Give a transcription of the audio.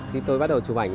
khi tôi bắt đầu chụp ảnh